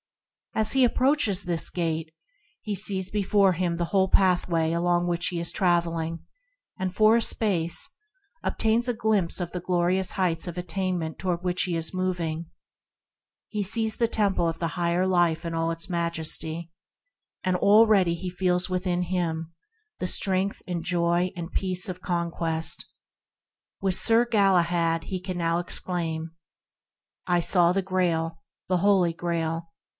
As he approaches this Gate, he sees before him the whole pathway along which he is travelling, and, for a space, obtains a glimpse of the glorious heights of attain ment toward which he is moving; he sees the Temple of the Higher Life in all its majesty, and already feels within him the strength and joy and peace of conquest. With Sir Galahad he can now exclaim: "I ... saw the Grail, The Holy Grail